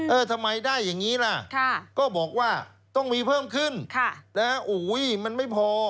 ทำไมได้อย่างนี้ล่ะก็บอกว่าต้องมีเพิ่มขึ้นมันไม่พอ